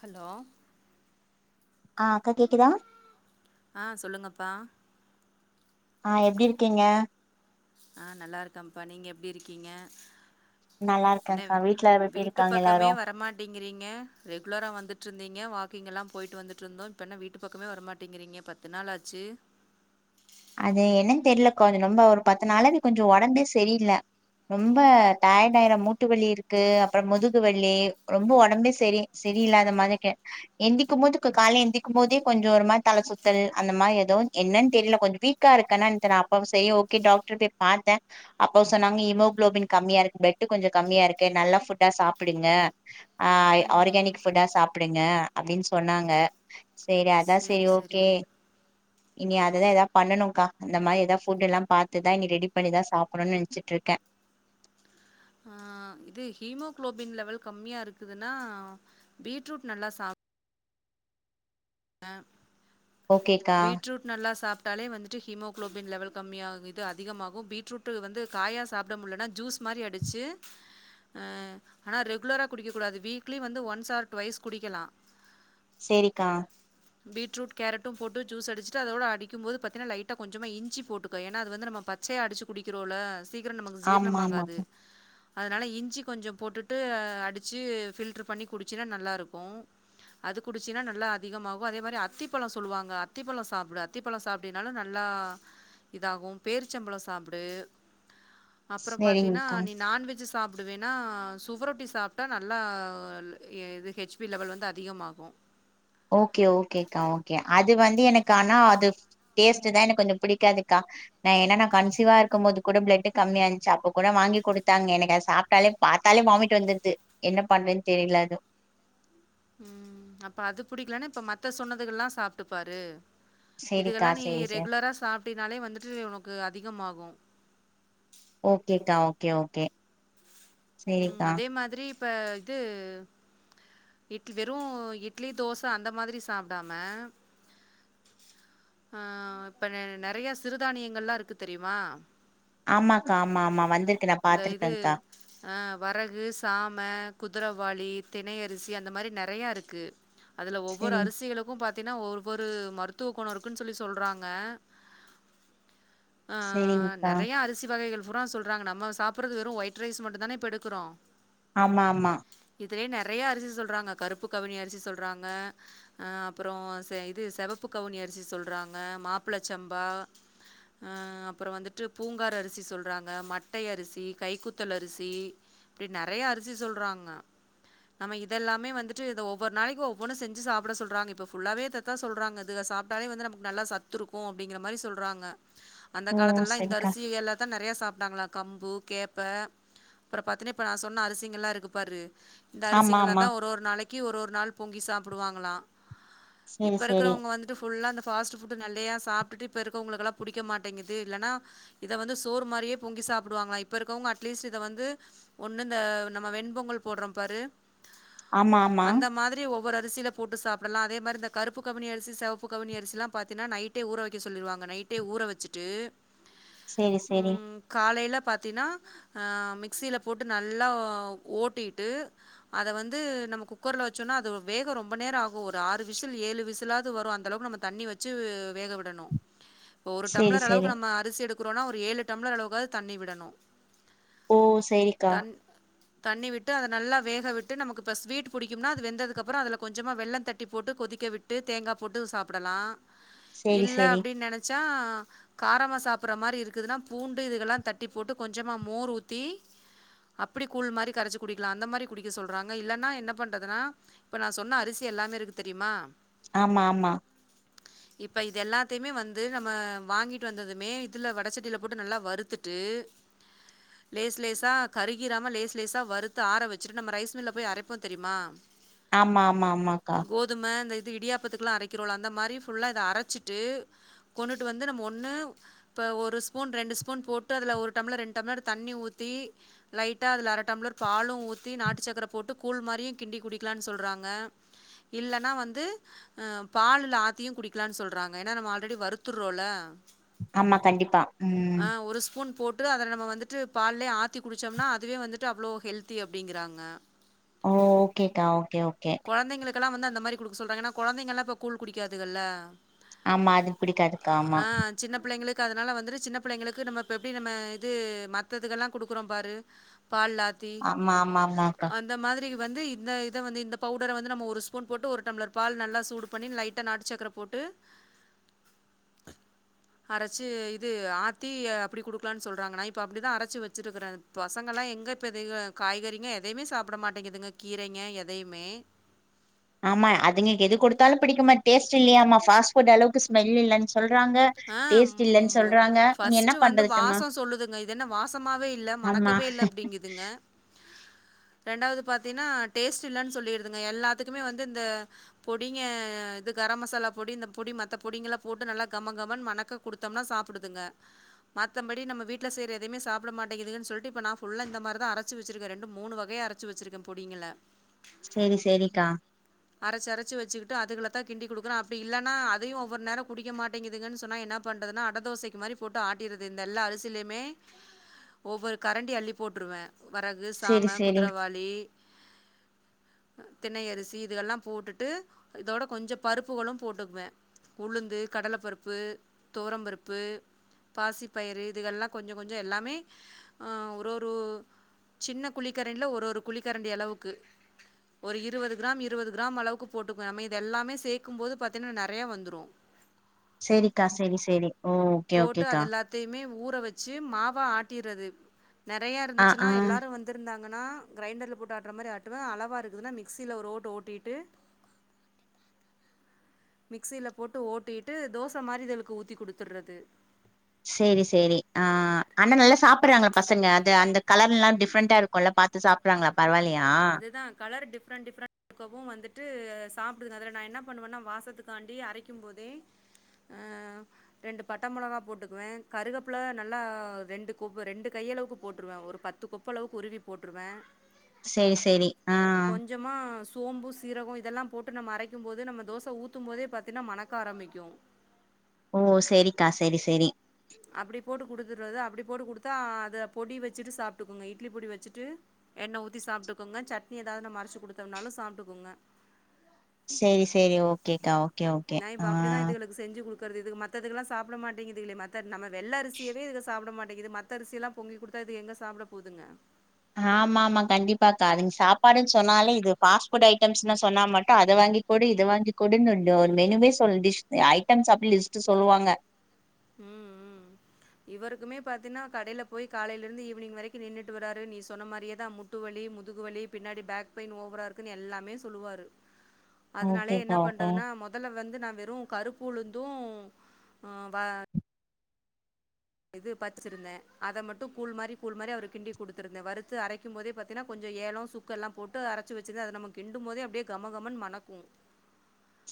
hello ஆஹ் அக்கா கேக்குதா பா ஆஹ் எப்டி இருக்கீங்க ஆஹ் நல்லா இருக்கேம்ப்பா நீங்க எப்டி இருக்கீங்க நல்லா என்ன இருக்கேன்க்கா வீட்ல எப்டி வீட்டு இருக்காங்க பக்கமே எல்லாரு வரமாட்டிங்குறீங்க ரெகுலரா வந்துட்ருந்தீங்க வாக் க்கிங் எல்லா போயிட்டு வந்துட்ருந்தோ இப்ப என்ன வீட்டு பக்கமே வர மாட்டிங்குறீங்க பத்து நாளாச்சு அது என்னன்னு தெரியலக்கா கொஞ்சோ ரொம்ப ஒரு பத்து நாளாவே கொஞ்சோ ஒடம்பே செரியில்ல ரொம்ப டயேடாயிரு மூட்டு வலியிருக்கு அப்புறோ முதுகு வலி ரொம்ப ஒடம்பே செரி செரியில்லாத மாரி இருக்கு எந்திக்கும் போது கொ கால்ல எந்திக்கும் போதே கொஞ்சோ ஒரு மாரி தல சுத்தல் அந்த மாரி எதோ ஒன்னு என்னன்னு தெரில கொஞ்சோ வீக்கா இருக்கனான்ட்டு நா அப்ப செரி ஓகே டாக்டர்கிட்ட போய் பாத்தே அப்ப சொன்னாங்க ஹீமோகுளோபின் கம்மியா இருக்கு பிளட் கொஞ்சோ கம்மியா இருக்கு நல்ல ஃபுட்டா சாப்புடுங்க ஆஹ் ம் ஆர்கானிக் ஃபுட்டா சாப்டுங்க அப்டின்னு சொன்னாங்க சேரி அதா செரி சேரி ஓகே சேரி இனி அதுதா எதா பண்ணுனங்க்கா அந்த மாரி எதாவது ஃபுட்டெல்லா பாத்துதா இனி ரெடி பண்ணிதா சாப்டனுன்னு நெனச்சுட்ருக்கே ஆஹ் இது ஹீமோகுளோபின் லெவல் கம்மியா இருக்குதுன்னா பீட்ரூட் நல்லா சாப் அ ஓகேக்கா பீட்ரூட் நல்லா சாப் ட்டாலே வந்துட்டு ஹீமோகுளோபின் லெவல் கம்மியாகு இது அதிகமாகு பீட்ரூட் வந்து காயா சாப்ட முடியலனா ஜூஸ் மாரி அடிச்சு ஆ ஆனா ரெகுலரா குடிக்கக் கூடாது வீக்லி வந்து ஒன்ஸ் ஆர் டுவைஸ் குடிக்கலா செரிக்கா பீட்ரூட் கேரட்டு போட்டு ஜூஸ் அடிச்சுட்டு அதோட அடிக்கும்போது பாத்தீனா லைட்டா கொஞ்சமா இஞ்சி போட்டுக்க ஏன்னா அது வந்து நம்ம பச்சையா அடிச்சு குடிக்குறோல சீக்கிரோ நமக்கு ஆமா ஆமா ஜீர்ணமாகாது அதனால இஞ்சி கொஞ்சோ போட்டுட்டு அடிச்சு ஃபில்ட்ரு பண்ணி குடிச்சின்னா நல்லாருக்கு அது குடிச்சின்னா நல்லா அதிகமாகு அதே மாரி அத்திப்பழோ சொல்லுவாங்க அத்திப்பழோ சாப்புடு அத்திப்பழோ சாப்டினாலோ நல்லா இதாகு பேரிச்சம்பழோ சாப்டு அப்றோ பாத்தீன்னா சேரிங்க்கா நீ நான்வெஜ் சாப்டு வேண்ணா சுவரொட்டி சாட்ப்டா நல்லா இது ஹெச் பி லெவல் வந்து அதிகமாகு ஓகே ஓகேக்கா ஓகே அது வந்து எனக்கு ஆனா அது டேஸ்ட்டுதா எனக்கு கொஞ்சோ பிடிக்காதுக்கா நா ஏன்னா நா கன்சிவா இருக்கும்போது கூட பிளட் கம்மியா இருந்துச்சு அப்ப கூட வாங்கி குடுத்தாங்க எனக்கு அத சாப்டாலே பாத்தாலே வாமிட் வந்துடுது என்ன பண்றதுன்னு தெரியல அது உம் அப்ப அது புடிக்கலனா இப்ப மத்த சொன்னதுகள்லா சாப்ட்டு பாரு சேரிக்கா இதுகள்லா நீ சேரி சார் ரெகுலரா சாப்ட்டினாலே வந்துட்டு உனக்கு அதிகமாகு ஓகேக்கா ஓகே ஓகே உம் சேரிக்கா அதே மாதிரி இப்ப இது இட் வெறு இட்லி தோச அந்த மாதிரி சாப்புடாம அஹ் இப்ப நெ நெறைய சிறுதானியங்கள்லா இருக்கு தெரியுமா ஆமாக்கா ஆமா ஆமா வந்துருக்கு நா பாத்திருக்கேங்க்கா ஆஹ் வரகு சாம குதிரவாலி தினையரிசி அந்த மாரி நெறைய இருக்கு அதுல ஒவ்வொரு சேரிங் அரசிகளுக்கு பாத் த்தினா ஒவ்வொரு மருத்துவ கொணோ இருக்குன்னு சொல்லி சொல்றாங்க ஆஹ் சேரிங்க்கா நெறையா அரிசி வகைகள் [unintelligible] சொல்றாங்க நம்ம சாப்உடுறது வெறு ஒயிட் ரைஸ் மட்டு தானே இப்ப எடுக்குறோ ஆமா ஆமா இதுலயே நெறையா அரிசி சொல்றாங்க கருப்பு கவினி அரிசி சொல்றாங்க ஆ அப்புறோ செ இது செவப்பு கவினி அரிசி சொல்றாங்க மாப்புளச்சம்பா ஆ அப்புறோ வந்துட்டு பூங்கார் அரிசி சொல்றாங்க மட்டை அரிசி கைக்குத்தல் அரிசி தீ இப்டி நெறையா அரிசி சொல்றாங்க நம்ம இதெல்லாமே வந்துட்டு இத ஒவ்வொரு நாளக்கி ஒவ்வொன்னு செஞ்சு சாப்ட சொல்றாங்க இப்ப ஃபுல்லாவே இதத்தா சொல்றாங்க இதுக சாப்டாலே வந்து நமக்கு நல்லா சத்து இருக்கு அப்டிங்குற மாரி சொல்றாங்க அந்த ஓ காலத்துலல்லா இந்த சரிக்கா அரிசிக எல்லாத்தா நெறைய சாப்டாங்களாக் கம்பு கேப்ப அப்புறம் பாத்தீன்னா இப்ப நான் சொன்ன அரசிங்கல்லாம் இருக்கு பாரு இந்த ஆமா அரிசிங்கலா ஆமா தான் ஒரு ஒரு நாளைக்கு ஒரு ஒரு நாள் பொங்கி சாப்படுவாங்களாம் சேரி இப்ப சேரி இருக்கிறவங்க வந்துட்டு ஃபுல்லா அந்த ஸ்பட் நெறையா சாப்பி இப்ப இருக்கவங்கல்லாம் பிடிக்க மாட்டேங்கது இல்லா இத வந்து சோர் மாரியே பொங்கி சாப்பவாங்க இப்ப இருக்கங்க அ அட்லீஸ் இதை வந்து ஒண்ணு இந்த நம்ம வெண்பொங்கல் போடுறோம் பாரு ஆமா ஆமா அந்த மாதிரி ஒவ்வொரு அரிசிய போட்டு சாப்படலாம் அதே மாரி இந்த கருப்பு கவினி அரிசி செவப்பு கவினி அரிசிலலாம் பாத்தீனா நைட்டே ஊற வைக்க சொல்லிடுவங்கைட்டே ஊற வச்சிட்டு சேரி சேரி உம் காலையில பாத்தீனா மிக்சியில் போட்டு நல்லா ஓட்டிட்டு அதை வந்து நம்ம குக்கரில் வச்சோம்ன்னா அது வேகம் ரொம்ப நேரம் ஆகும் ஒரு ஆறு விசில் ஏழு விசிலாவது வரும் அந்தளவுக்கு நம்ம தண்ணி வச்சு வேக விடணும் இப்ப ஒரு சேரி டம்ளர் சேரி அளவு நம்ம அரிசி எடுக்கிறோம்னா ஒரு ஏழு டம்ளர் அளவுக்காவது தண்ணி விடணும் ஓ சரிக்கா தண்ணி விட்டு அதை நல்லா வேக விட்டு நமக்கு இப்போ ஸ்வீட் பிடிக்கும்னா அது வெந்ததுக்க அப்புறம் அதில் கொஞ்சமாக வெல்லம் தட்டி போட்டு கொதிக்க விட்டு தேங்காய் போட்டு சாப்பிடலாம் சேரி இல்ல சேரி அப்புடின்னு நெனைச்சா காரம சாப்புடுற மாரி இருக்குதுன்னா பூண்டு இதுக்கெல்லாம் தட்டி போட்டு கொஞ்சம் சமா மோர் ஊற்றி அப்டி கூழ் மாரி கரைச்சி குடிக்கலாம் அந்த மாரி குடிக்க சொல்கிறாங்க இல்லன்னா என்ன பண்ணுறதுன்னா இப்போ நான் சொன்ன அரிசி எல்லாமே இருக்கு தெரியுமா ஆமா ஆமா இப்ப இது எல்லாத்தையுமே வந்து நம்ம வாங்கிட்டு வந்ததுமே இதுல வட செடியில போட்டு நல்லா வறுத்துட்டு லேஸ்லேஸா கருகிராம லேஸ்லேஸா வறுத்து ஆற வச்சுட்டு நம்ம ரைஸ் மில்ல போய் அரைப்போம் தெரியுமா ஆமா ஆமா ஆமாக்கா இடியாப்பத்துக்கெல்லாம் அரைக்கிறோம் அந்த மாரி ஃபுல்லாக இத அரைச்சிட்டு கொண்டுட்டு வந்து நம்ம ஒன்னு இப்போ ஒரு ஸ்பூன் ரெண்டு ஸ்பூன் போட்டு அதில் ஒரு டம்ளர் ரெண்டு டம்ளர் தண்ணி ஊத்தி லைட்டா அதுல அர டம்ளர் பாலும் ஊத்தி நாட்டு சக்கர போட்டு கூழ் மாரியும் கிண்டி குடிக்கலாம்னு சொல்றாங்க இல்லன்னா வந்து பால்ல ஆத்தியும் குடிக்கலாம்னு சொல்றாங்க ஏன்னா நம்ம ஆல்ரெடி வருத்துடுறோம்ல ஆமா கண்டிப்பா ம் ட்டு அதல நம்ம வந்துட்டு பால்லே ஆத்தி குடிச்சோம்னா அதுவே வந்துட்டு அவ்வளோ ஹெல்தி அப்டிங்கறாங்க ஓ ஓகேக்கா ஓகே ஓகே ல்லாம் வந்து அந்த மாதிடுக்க சொல்றங்க ஏன்னா கொழந்தைல்லாம் இப்ப கூழ்குடிக்கதுங்கள ஆமா அதுக்கு பிடிக்காதுக்க ஆமா சின்ன பிள்ளைங்களுக்கு அதனால வந்து சின்ன புள்ளைங்களுக்கு நம்ம எப்டி நம்ம வந்து மத்ததுக்கெல்லாம் கொடுக்குறோம் பாரு பால்ல ஆமா ஆமா ஆமாக்கா ப்ப இந்த இத வந்து பவுடர வந்து ஸ்பூன் போட்டு ஒரு டம்ளர் பால் நல்லா சூடு பண்ணி லைட்டா ஒரு நாட்டுசக்கர போட்டு அரைச்சி ஆத்தி அப்படிடுக்கலாம் சொல்றாங்கன்னா இப்ப அப்டிதான் அரைச்சு வச்ச இருக்கறேன் பசங்க எல்லாம் எங்க இப்ப காய்கறிங்க எதையவுமே சாப்பட மாட்டேங்குதுங்க கீரங்க எதையுமே ஆமா அதுங்க எது கொடுத்தாலும் புடிக்குமா டேஸ்ட்ல்லாயாமா பாஸ்புட் அளவுக்கு ஸ்மெல் சொல்றாங்க ஆ டேஸ்ட் இல்லன்னு சொல்றாங்க நீங்க என்ன ஃபர்ஸ்ட்ட் வந்து பண்றதுட்டமா வாசம் சொல்லுதுங்க இது என்ன வாசமாவே இல்ல ஆமா மணக்கவே இல்ல அப்டிங்குதுங்க ரெண்டாவது பாத்தீங்கன்னா டேஸ்ட் இல்லனு சொல்லிடுதுங்க எல்லாத்துக்குமே வந்து இந்த பொடிங்க இ கரம் மசாலா பொடி இந்த பொடி மத்த பொடிங்கல்லாம் போட்டு நல்லாம் கமகமணு மணக்க குடுத்தோம்னா சாப்பிடுதுங்க மத்தபடி நம்ம வீட்டுல செய்யற எதவுமே சாப்பிட மாட்டேங்கதுன்னு சொல்லிட்டு நான் இந்த மாதிரி தான் அரைச்சுச்சிருக்கேன் ரெண்டு மூணு வகையை அரைச்சு வச்சிருக்கேன் பொடிங்கல செரி செரிக்கா அதுகல தான் கிண்டிகொடுக்கற அப்டி இல்லன்னா அதயும் ஒவ்வொரு நேரம் குடிக்க மாட்டேங்கிது என்ன பண்றது அ டதோசைக்கு மாரிபோட்டு எல்லா அரிசிலுமே ஒவ்வொரு கரண்டி அள்ளி போட்டுருவேன் வரகு சேரி சாம சேரி குதிரவாளி திணையரிசி இதுக்கெல்லாம் போட்டுட்டு இதோட கொஞ்சம் பருப்புகளும் போட்டுக்குவேன் உளுந்து கடலைப்பருப்பு ப்பு தோரம்பருப்பு பாசிப்பயிறு இதுகல்லாம் கொஞ்சம் கொஞ்சம் எல்லாமே ஒரு ஒரு சின்ன குழிக்கரண்டில் ஒரு ஒரு குளிக்கரண்டி அளவுக்கு ஒரு இருபது கிராம் இருபது கிராம் அளவுக்கு போட்டுக்க மீதி எல்லாமே சேர்க்கும் பாத்தீங்கனா நெறைய வந்துடும் செரிக்கா செரி செரி போட்டு அது எல்லாத்தையுமே ஊர் ஊற வச்சு மாவ ஆட்டறது நெறையா ஆ இருந்துச்சுன்னா ஆ எல்லாரும் வந்திருந்தா ஆணா கிரைண்டரில் போட்டு ஆட்ற மாரி அழக் இருக்குதுன்னு மிக்சியில் ஒரு ஓட்டு ஓட்டிட்டு மிக்ஸியில் போட்டு ஓட்டிட்டு தோசை மாரிதலுக்கு ஊத்தி குடுத்துறது செரி செரி ஆ அண்ணா நல்லா சாப்படுறாங்கள பசங்க அது அந்த கலர் எல்லாம் டிஃப்ரெண்டா இருக்கும்ல்ல பாத்து சாப்படுறாங்கள அதுதான் கலர் டிஃப்ரெண்டட் டிஃப்ரெண்ட் இருக்கவும் வந்துட்டு சாப்படுக்குது அதில் நான் என்ன பண்ணுவேன்னா வாசத்துக்காண்டி அரக்கும் போதே ரெண்டு பட்ட மிளகா போட்டுக்குவேன் கருகப்பில நல்லா ரெண்டு கொப்பு ரெண்டு கையளவுக்கு போட்டுருவேன் ஒரு பத்து கொப்பளவுக்கு உருவி போட்டுருவேன் செரி செரி ஆ சோம்பு சீரகம் இதெல்லாம் போட்டு நம்ம அரைக்கும் போது நம்ம தோசை ஊத்தும் போதே பாத்தீன்னா மணக்க ஆரம்பிக்கும் ஓ செரிக்கா செரி செரி அப்டி போட்டு குடுத்துடுறது அப்டி போட்டு கொடுத்தா அத பொடி வச்சுட்டு சாப்பட்டுக்கோங்க இட்லி பொடி வச்சிட்டு எண்ணெய் ஊத்தி சாப்பட்டுக்கோங்க சட்னி எதாவது நாம அறச்சு குடுத்தோம்னாலும் சாப்பட்டுக்கோங்க செரி செரி ஓகேக்கா கே ஓகே ஆ இதுக மத்ததுெகலா சாப்ட மாட்டங்குதுகலே மத்த நம்ம வெள்ள அரிசியவே இதுல சாப்புட மாட் இது மத்த அரிசி எல்லாம் பொங்கி கொடுத்தா இது எங்க சாப்பட போகுதுங்க ஆமா ஆமா கண்டிப்பாக்காதுங்க சாப்பாடுன்னு சொன்னாலே இது ஃபாஸ்ட்ஃபுட் ஐட்டம்ஸ்ன்னா சொன்னா மாட்டோம் அத வாங்கி்டு இது வாங்கி்டுன்னு ஒரு மெனுவே சொல்ல டிஷ ஐட்டம்ஸ் அப்டி லிஸ்ட்ட் சொல்லுவாங்க ம் ம் இவருக்குமே பாத்தீங்கன்னா கடயில போய் காலையில இருந்து ஈவினிங் வரைக்கும் நின்னுட்டு வராாரு நீ சொன்ன மாரியேதான் முட்டு வலி முதுகு வலி பின்னாடி பேக் பெயின் ஓவரா இருக்குன்னு எல்லாமே சொல்லுவாரு அதனாலே ஓகேக்கா என்ன ஓகே பண்றதுன்னா மெதல்ல வந்து நான் வெறும் கருப்பு உளுந்தும் வ இது பச்சிருந்தேன் அத மட்டும் கூழ் மாரி கூழ் மாரி அவரு கிண்டி குடுடுத்திருந்தேன் வறுத்து அரக்கும் போதே பாத்தீன்னா கொஞ்சம் ஏலம் சுக்கு எல்லாம் போட்டு அரச்சு வச்சிருந்தேன் அத நம்ம கிண்டும் போதே அப்டியே கமகமன் மணக்கும்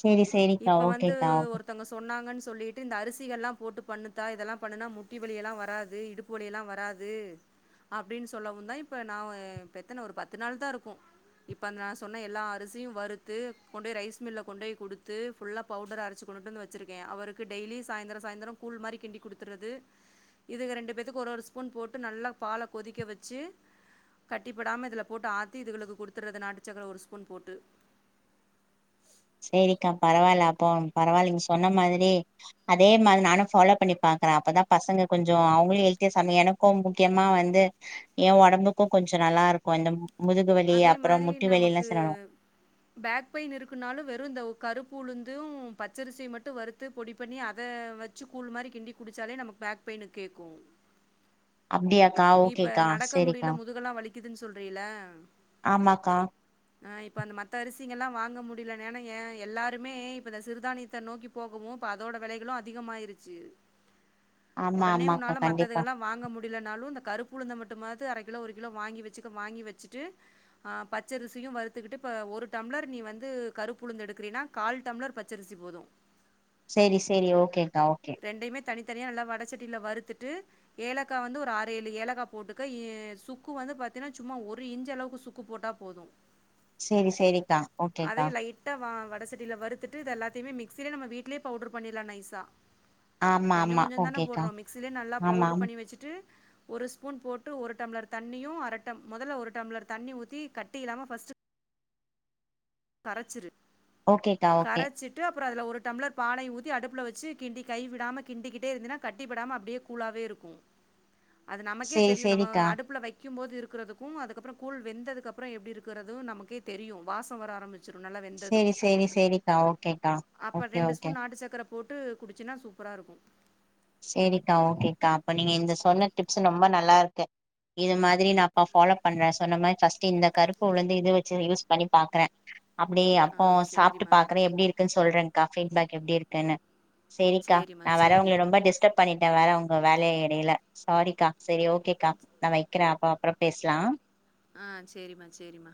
சேரி சேரிக்கா இப்ப வந்து ஓகேக்கா ஓகே ஒருத்தங்க சொன்னாங்கன்னு சொல்லிட்டு இந்த அரிசிகள்லாம் போட்டு பண்ணுத்தா இதெல்லாம் பண்ணுனா முட்டி வலியெல்லாம் வராது இடுப்பு வலியெல்லாம் வராது அப்படின்னு சொல்லவும் தான் இப்போ நான் பெத்தனை ஒரு பத்து நாள் தான் இருக்கும் இப்போ அந்த நான் சொன்ன எல்லா அரிசியும் வறுத்து கொண்டு போய் ரைஸ் மில்ல கொண்டு போய் கொடுத்து ஃபுல்லா பவுடர் அரச்சு கொண்டுட்டு வந்து வச்சிருக்கேன் அவருக்கு டெய்லி சாயந்தரம் சாய்ந்தரம் கூழ் மாரி கிண்டி குடுத்துறது இதுக ரெண்டு பேத்துக்கு ஒரு ஒரு ஸ்பூன் போட்டு நல்லா பால கொதிக்க வச்சு கட்டிப்படாம இதுல போட்டு ஆத்தி இதுகளுக்கு குடுத்துடுறது நாட்டுச்சக்கர ஒரு ஸ்பூன் போட்டு செரிக்கா பரவாயில்ல அப்போ பரவாயில்லங்க சொன்ன மாரி அதே மாரி நானும் ஃபாலோ பண்ணி பாக்குறேன் அப்தான் பசங்க கொஞ்சம் அவங்களயும் ஹெல்தியா சம எனக்கும் முக்கியமா வந்து என் உடம்புக்கும் கொஞ்சம் நல்லா இருக்கும் இந்த முதுகு வலி அதே அப்புறோ மாரி முட்டி வலி எல்லா நமக்கு சரியாயிடு பேக் பெயின் இருக்குனாலும் வெறும் இந்த கருப்புஉளுரந்தும் பச்சரிசியை மட்டும் வறுத்து பொடி பண்ணி அத வச்சு கூழ் மாரி கிண்டி குடிச்சாலே நமக்கு பேக் பெயின் கேட்கும் அப்டியாக்கா ஓகேக்கா செரிக்கா க்குதுன்னு சொல்றீல ஆமாக்கா ஆ இப்ப அந்த மத்த அரிசிங்க எல்லாம் வாங்க முடியலன்னா எல்லாருமே இப்ப இந்த சிறுதானியத்தை நோக்கி போகவும் இப்ப அதோட வெலைகளும் அதிகமாயிருச்சு ஆமா உடனே ஆமாக்கா உன்னால கண்டிப்பா மத்ததுகெல்லாம் வாங்க முடியு ல நானாலும் அந்த கருப்புழுைத மட்டும் அர கிலோ ஒரு கிலோ வாங்கி வச்சுக்க வாங்கி வச்சுட் ட்டு பச்சரிசியு வறுத்துகிட்டு ஒரு டம்ளர் நீ வந்து கருப்பு உளுந்து எடுக்கின்றன கால் டம்ளர் பச்சரிசி போதும் சரி சரி ஓகேக்கா ஓகே தனித்தனியா நல்லா வடச்சட்டில் வறுத்துட்டு ஏலக்க வந்து ஆறு ஏழு ஏலகா போட்டுக்க சுக்கு வந்து சும்மா ஒரு ஒரு இஞ்ச அளவுக்கு சுக்கு போட்டா போதும் சேரி சேரிக்கா ஓகேக்கா அதையும் லைட்டா வட சட்டியில வருறுத்துட்டு இது எல்லாத்தையுமே மிக ஆக்சாலிக் நம்ம வீடிலேயே பவுடர் பண்ணிடலாம் நைசா ஆமா கொஞ்சம் ஆமா கொஞ்சம் தானே ஓகேக்கா போடுறோம் மிக்சிலயே நல்லா ஆமா பவுடர் ஆமா பண்ணி வச்சுட்டு ஒரு ஸ்பூன் போட்டு ஒரு டம்ளர் தண்ணியும் அரட்ட முதல்ல ஒரு டம்ளர் தண்ணி ஊத்தி கட்டி இலாம பர்ஸ்ட் கரைச்சுரு ஓகேக்கா ஓகே அப்புறம் அதுல ஒரு டம்ளர் பாலையும் ஊதி அடுப்புல வச்சு கிண்டி கைவிடாம கிண்டிக்கிட்டே இருந்தனா கட்டி படாம அப்படியே கூலாவே இருக்கும் அது நமக்கே சேரி தெரியும் நம்ம சேரிக்கா அடுப்புல வைக்க க்கும் போது இருக்கிறதுக்கும் அதுக்கப்பறம் கூழ் வெந்ததுக்கு அப்பறம் எப்டி இருக்கிறதும் நமக்கே தெரியும் வாசம் வர ஆரம்பிச்சிரு நல்லா வெந்தது சரி சரி சரிக்கா ஓகேக்கா அப்ப ஓகே ரெண்டு ஓகே ஸ்பூன் நாட்டு சக்கர போட்டு குடிச்சுன்னா சூப்பரா இருக்கும் சரிக்கா ஓகேக்கா அப்ப நீங்க இந்த சொன்ன டிப்ஸ் ரொம்ப நல்லா இருக்கு இது மாதிரி நான் அப்ப ஃபாலோ பண்றேன் சொன்ன மாதிரி ஃபர்ஸ்ட் இந்த கருப்பு உளுந்து இது வச்சு யூஸ் பண்ணி பாக்குறேன் அப்படி ஆ அப்போ சாப்பிட்டு சேரிம்மா பாக்குறேன் எப்டி இருக்குன்னு சொல்றேன்கா பீடிபாக் எப்படி இருக்குன்னு சரிக்கா சேரிம்மா நான் வர சேரி உங்கள ரொம்ப டிஸ் இத வேற உங்க வேலைய இடையல சாரிக்கா சரி ஓகேக்கா நான் வைக்கிறேன் அப்பா அப்புறம் பேசலாம் ஆ சரிமா சரிமா